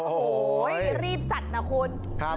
โอ้โหรีบจัดนะคุณ